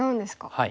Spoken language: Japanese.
はい。